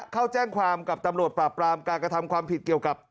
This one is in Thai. เข้าแจ้งความกับตำรวจปราบปรามการกระทำความผิดเกี่ยวกับ